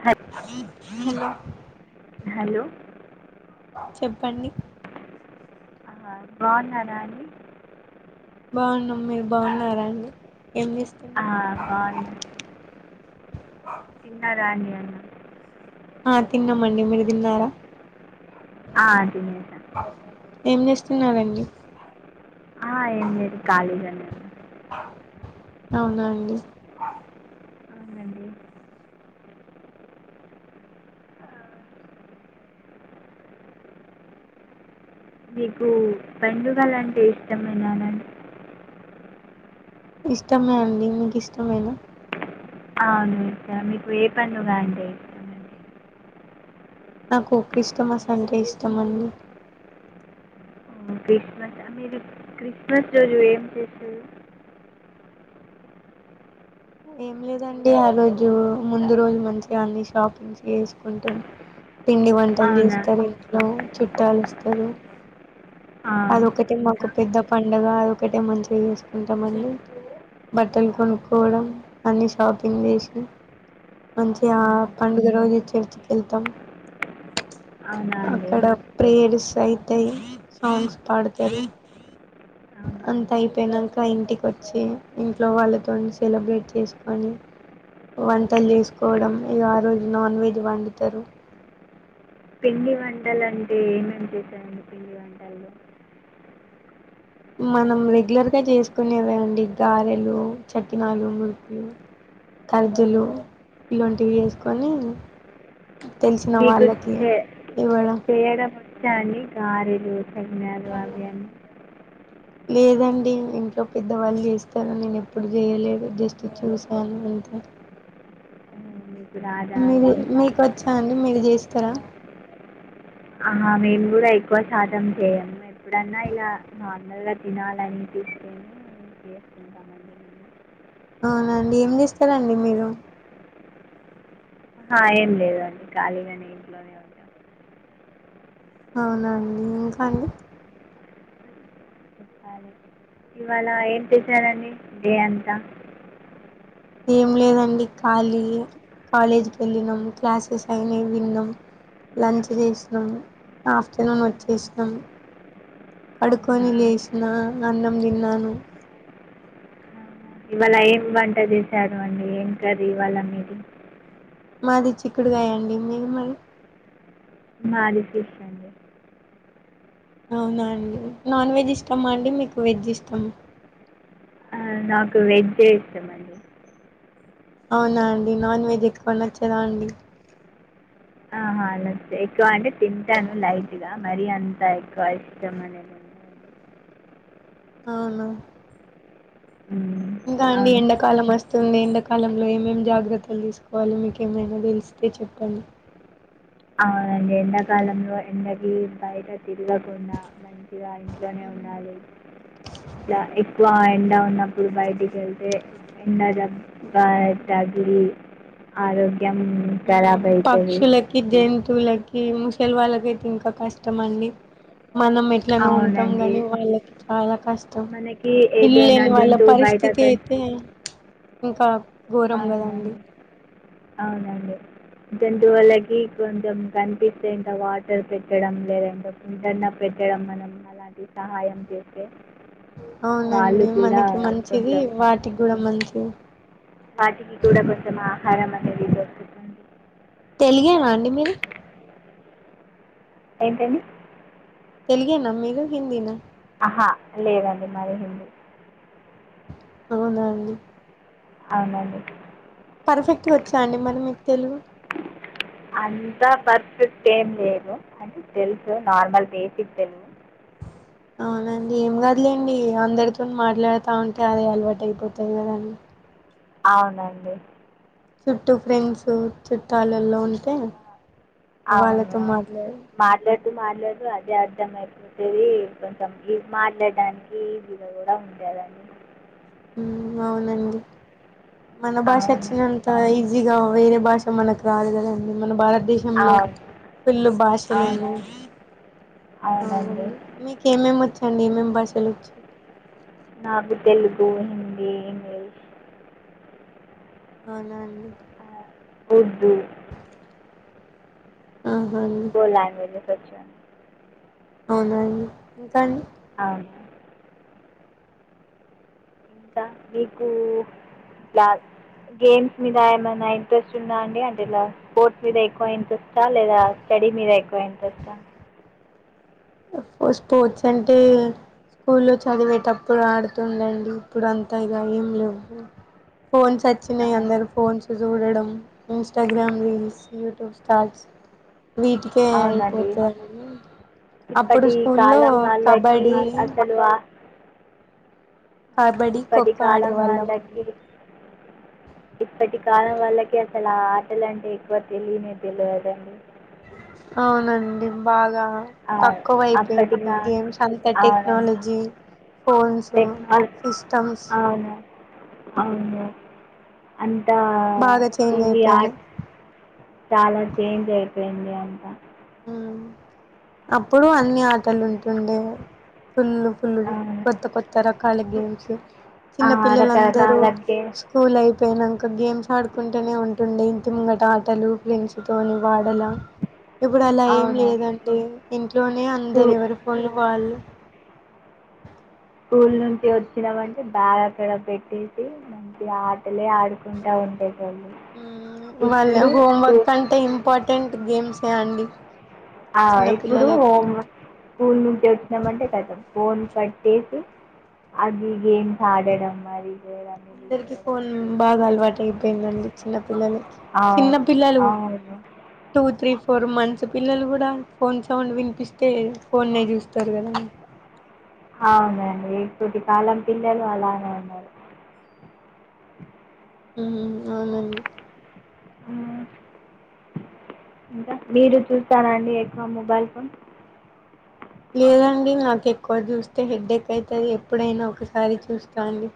హల్ hello hello చెప్పండి బాగున్నారా అండి బాగున్నాం మీరు బాగున్నారాండి ఎం ఆ, చేస్తున్నారు బాగున్నా తిన్నారా అండి అన్నం మా తిన్నా మండి మీరు తిన్నారా ఆ తినేస ఏం చేస్తున్నారండి ఆ ఏం లేదు ఖాళీగానే ఉన్నా అవునా అండి అవునండి మీకు పండుగలు అంటే ఇష్టమా [unintelligible] ఇష్టమే అండి మీక్ ఇష్టమేనా అవును ఇక మీకు ఏ పండుగ అంటే ఇస్తామండి. నాకు క్రిస్టామస్ అంటే ఇష్టం అండి హ్మ్ క్రిస్మస్ మీరు క్రిస్మస్ రోజు ఏం చేస్తురు ఏం లేదండి ఆ రోజు ముందు రోజు మంచిగా అని షాపింగ్స్ చేసుకుంటాం. పిండి వంటలు అవునా చేస్తారు ఇంట్లో చుట్టాల్ వస్తారు ఆ, అదొకటె మాకు ఇంకా పెద్ద పంన్ పండగా అదొఒకటే మంచిగా చేసుకుంటాం అండి బట్టలు అవునా కొనుక్కోవడం అన్నీ షాపింగ్ చేేసి, మంచిగా ఆ, పండుగ రోజు చర్చికి వెళ్తాం. అవునా అండి అక్కడ ప్రేర్స్ అయితే ఏం సాంగ్స్ పాడతారు. అవునా అంత అండి అయిపోయినాక ఇంటికి వచ్చి ఇంట్లో వాళ్ళతోన్నీ సెలబ్రేట్ చేసుకొని వంటలు చేసుకోవడం. ఇగా ఆ రోజు నాన్ వెజ్ వండుతారు. పిండి వంటలు అంటే ఏమేం చేశారండి పిండి వంటలు మనం రెగ్యులర్గా చేసుకునేవే అండి గారెలు చకినాలు మురుకులు కర్జలు ఇలాంటివి చేసుకొని తెలిసిన మీకు వాళ్ళకి చే ఇవ్వడం చేయడం వచ్చా అండి గారెలు చకినాలు అవి అన్ని లేదండి ఇంట్లో పెద్దవాళ్ళు చేస్తారు నేను ఎప్పుడు చేయలేదు జస్ట్ చూసాను అంతే ఆ, మీకు రాదా మీరు అండి మీకు వచ్చా అండి మీరు చేస్ స్తర ఆహ మేము కూడా ఎక్కువ శాతం చేయము ఎప్పుడన్నా ఇలా నార్మల్గా తినాలనిపిస్తేనే మేము చేసుకుంటామండి అవునండి ఏం చేస్తారండి మీరు ఆ ఏం లేదు అండి ఖాళీగానే ఇంట్లోనే ఉంటా అవునా అండి ఇంకా అండి చెప్పాలి ఇవాళ ఏం చేశారండి డే అంతా ఏం లేదండి ఖాళీ కాలేజ్కి వెళ్ళినాం క్లాసెస్ అయినవి విన్నాం లంచ్ చేసినాం ఆఫ్టర్నూన్ వచ్చేసినాం అవునా పడుకొని లేసినా అన్నం తిన్నాను అవునా. ఇవాళ ఏం వంట చేశారు అండి ఏం కర్రి ఇవాళ మీది మాది చిక్కుడు కాయండి. మీది మరి. మాది [inaudible] అండి. అవునా అండి నాన్ వెజ్ ఇష్టమా అండి, మీకు వెజ్ ఇష్టమా? ఆ, నాకు వెజ్ ఇష్టం అండి. అవునా అండి, నాన్ వెజ్ ఎక్కువ నచ్చదా అండి. అహా అలా ఎక్కువ అంటే తింటాను, లైట్ గా మరీ అంతా ఎక్కువ ఇష్టం అనేది ఉండదండి. అవునా ఉమ్, ఇంకా అండి అవునండి ఎండాకాలం అ స్తుంది ఎండాకాలంలో ఏమేం జాగ్రత్తలు తీసుకోవాలి, మీకేమైనా తెలిస్తే చెప్పండి. అవునండి ఎండాకాలంలో ఎండకి బయట తిరగకుండా మంచిగా ఇంట్లోనే ఉండాలి, ఇలా ఎక్కువ ఎండ అవునండి ఉన్నప్పుడు బయటి ఎల్తే ఎండ దే బ్బ తగిలి ఆరో గ్యం కరాబ్ అయితది. వులకి ముసలి వాళ్ళకైతే ఇంకా కష్టం అండి. మనం ఎట్లనో ఉంటాం అవునండి కాని, వాళ్ళకి చాలా కష్టం మనకి ఇళ్ళు ఏదైనా లేని వాళ్ళ జంతువు బయట పరిస్థితి క- అయితే ఇంకా ఘోరం కదండి. అవునండి. అవునండి జంతువులకి కొంచెం కనిపిస్తే ఇంకా వాటర్ పెట్టడం, లేదంటే ఫుడన్న పెట్టడం, మనం అలాంటి సహాయం చేస్తే వాళ్ళు అవునండి కూడా మనకి మంచిదీ, కొంచెం వాటికి కూడా మంచిది. వాటికి కూడా కొంచం ఆహారం అనేది దొరుకుతుంది. తెలిగేనా అండి మీది. ఏంటండి. తెలుగేనా మీరు, హిందీనా. హా లేదండి మాది హిందీ. అవునా అండి. అవునండీ. ఫర్ఫెక్ట్ గా వచ్చా అండి మరి మీకు తెలుగు. అంతా ఫర్ఫెక్ట్ ఏం లేదు, అంటే తెలుసు నార్మల్ బేసిక్ తెలుగు. అవునండి ఏం కాదులేండి, అందరితోని మాట్లాడుతా ఉంటే అదే అలవాటు అయిపోతది కదా అండి. అవునండి. చుట్టూ ఫ్రెండ్సు, చుట్టాలలో ఉంటే ఆ! అవును వాళ్ళతో అవును మాట్లాడు మాట్లాడుతూ మాట్లాడుతూ అదే అ ఇష్టం అయిపోతదీ కొంచెం ఇ మాట్లాడడానికి ఈజీగా కూడా ఉంటదండి. ఊ అవునండీ. మన భాష అవును అచ్చినంత ఈజీగా వేరే భాష మనకు రాదుకదండి మన భారత దేశంలో అవును ఫుళ్ళు భాషలు అవునా ఉన్నయి, ఆ అవునండి మీకు ఏమేమి వచ్చండి. ఏం భాషలోచ్చు నాకు తెలుగు హిందీ ఇంగ్లీష్ అవునా అండీ ఉర్థు అహా అబ్బచ్చా అవునా అండి ఇంకా అండి అవును ఇంకా మీకూ గ్యాల్ గేమ్స్ మీద ఏమైనా ఇంట్రెస్ట్ ఉందా అండి అంటే ఇలా స్పోట్స్ మీద ఎక్కువ ఇంట్రెస్ట్ చాల్లేదా స్టడీ మీద ఎక్కువ ఇంట్రెస్టా స్పోర్ట్స్ అంటే స్కూల్లో చదివేటప్పుడు ఆడుతుండండి ఇప్పుడు అంతా ఇగ ఏం లేవ్ ఫోన్స్ అచ్చినయ్ అవునా అందరు ఫోన్స్ చూడడం ఇంస్టాగ్రామ్ రీల్స్ యూట్యూబ్ స్టాల్స్ వీటికే అయిపోతాది అప్పటి కాలం వాళ్ళకీ అసలువా కబడీ ఖోఖో కాలం ఆడేవాళ్ళం వాళ్ళకి ఇప్పటి కాలం వాళ్లకి అసలు ఆ ఆటలు అంటే ఎక్కువ తెలియనే తెలవదండి అవునండి బాగా అవును అప్పటి తక్కువైపోయింది కా గేమ్స్ అంతా అవునండి టెక్నాలజీ ఫోన్స్ టెక్నాలజీ సిస్టమ్స్ అవును అవును అంత బాగా చేంజ్ ఇవి అయిపోయినాయి ఆర్ట్ చాలా చేంజ్ అయిపోయింది అ అకా అప్పుడు అన్ని ఆటలు ఉంటుండే పుల్లు పుల్లులు అవును కొత్త కొత్త రకాల గేమ్స్ ఆ చిన్న పిల్లలందరూ రకరకాల గేమ్స్ స్కూల్ ైఫ్ పోనాక గేమ్స్ ఆడుకుంటేనే ఉంటుండే ఇంత ముంగట ఆటలు ఫెండ్స్ తోని వాడలా ఇప్పుడు అలా ఏం అవును లేదండి ఇంట్లోనే అందరు స్కూ ఎవరి ఫోన్లు కాళ్ళు స్కూల్ నుంచి వచ్చినామంటే బ్యాగ్ అక్కడ పెట్టేసి మంచి ఆటలే ఆడుకుంటా ఉంటాయి వాళ్ళ స్కూ హోమ్వర్క్ అంటే ఇంపార్టెంట్ గేమ్స్ శండి ఆ ఇప్పుడు హోం స్కూల్ నుంచి వచ్చినామంటే కదం ఫోన్ కట్టేసి అవి గేమ్స్ ఆడడం మరి అందరికి ఫోన్ బాగా అలవాటు అయిపోయిందండి చిన్నపిిల్లల చిన్న అవును పిల్లలు అవును టూ త్రీ ఫోర్ మంత్స్ పచ్చపిిల్లలు కూడా ఫోన్ సౌండ్ వినిపిస్తే ఫోన్ే చూస్తారు కదడి అవునండి ఎకూటి కాలం పిల్లలు అలానే ఉన్నారు ఉ అవునండి ఇంకా మీరు చూస్తాను అండి ఎక్కువ మొబైల్ ఫోన్ లేదండి నాకు ఎక్కువ చూస్తే హెడేక్ అవుతుంది ఎప్పుడైనా ఒకసారి చూస్తా అండి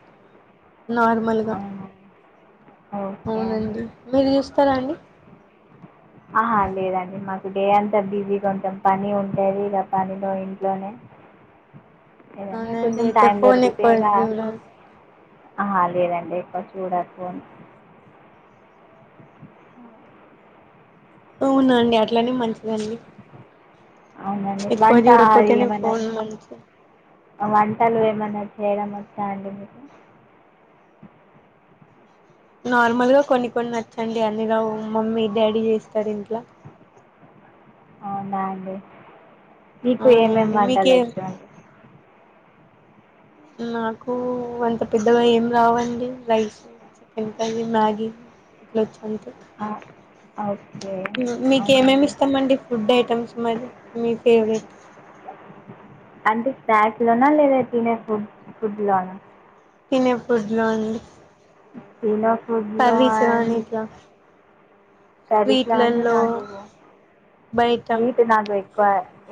నార్మల్గా అవునా ఓకే అండి అవునండి మీరు చూ చెస్తారా అండి ఆహా లేదండి మాకు డే అంతా బిజీగా ఉంటాం పని ఉంటుంది ఇలా పనిలో ఇంట్లోనే ఏదైనా అవునండి కొంచెం అయితే ఫోన్ ఎక్కువడ ఆ లేదండి ఎకు చూడ ఫ అవునాండి అట్లనే మంచిదండి అవునండి ఎకువది వంట ఉడపోతేనే ఏమైనా ఫోన్ మ వంటలు ఏమన్నా చేయడం వస్తా అండి మీకు నార్మల్గా కొన్ని కొన్ని నచ్చండి అన్నరా మమ్మీ డాడీ చేస్తాారు ఇంట్లో అవునా అండి నీకు ఏమేం అవునండి మీకే అంటాలచ్చు అండి నాకు అంత పెద్దగా ఏం రావండి రైస్ చికెన్ కర్రీ మ్యాగీ ఇట్లా వచ్చి అంతే ఆ, ఓకే మీకు అవునా ఏమేమి అండి ఇస్తామండి ఫుడ్ ఐటమ్స్ మరి మీ ఫేవరెట్ అంటే లోనా లేదా తిన ఫుడ్ ఫుడ్ లోనా తిని ఫుడ్ లో అండి తిను కర్రీ కానీ ఇట్ల కర్రీస్ లో అంటే నాకు బయట వీటు నాకు ఎక్కువ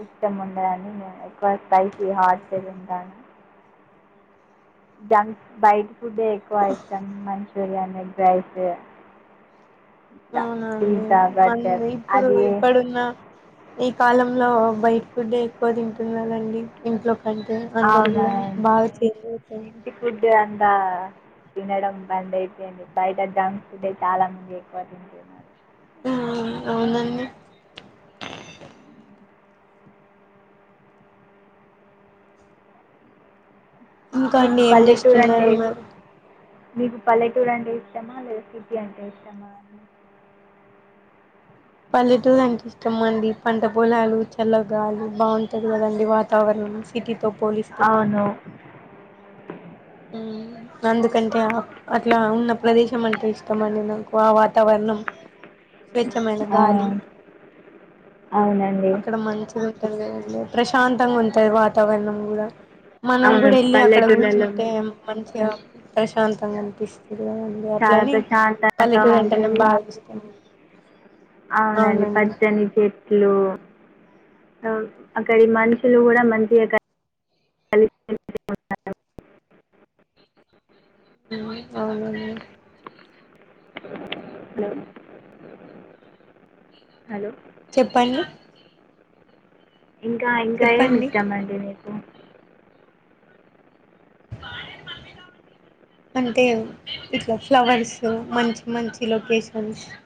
ఇష్టం ఉండదని నేను ఎక్కువ స్పైసి హార్ట్ చే తింటాను జంక్ బైడ్ ఫుడ్ ఎక్కువ ఇష్టం మంచి బిర్యానీ అవునండి మ ఇప్పుడు అది ఇప్పుడున్న ఈ కాలంలో బైట్ ఫుడ్ ఎక్కువ తింటున్నారండి ఇంట్లో అంటే అందరు కూడా అవునండి బాగా చేయలుగుతారు ఇ తినడం బంద్ అయితుంది బయట జంక్ ఫుడ్ ఉంటే చాలా మంది ఎక్కువ తింటున్నారు ఆ అవునండి ఇంకా మీకు అండి ఏం పల్లెటూరు అంటే చేస్తున్నారున్నారు మీకు పల్లెటూరు అంటే ఇష్టమా లేదా సిటీ అంటే ఇష్టం ఆ పల్లెటూరు అంటే ఇష్టం అండి పంట పొలాలు చల్లగాలి బాగుంటది కదండి వాతావరణం ను సిటీతో పోలిస్తటే అవును అందుకంటే అట్లా ఉన్న ప్రదేశం అంటే ఇష్టమ అండి నాకు ఆ వాతావరణం స్వతమైన ఆ, గాలి అవునండి అక్కడ మంచిది ప్రశాంత అంగా వంతది వాతావరణం కూడా ఆ పల్లెటూర్లలో అ మనసు ప్రశాంతంగా అనిపిస్తుంది కదండి చాలా అట్లని ప్రశాంతంగా పల్లెటూరు అంటేనే ఉంటుది. బాగా ఇష్టం అవునండి పచ్చని చెట్లు, అక్కడి మనుషులు కూడా మంచిగా కలిసి మెలిసి ఉంటారు. [unintelligible] అవును అండి హలో హలో చెప్పండి ఇంకా ఇంకా ఏమి చెప్పండి ఇస్టమండి మీకు అంటే ఇట్లా ఫ్లవర్స్ మంచి మంచి లొకేషన్స్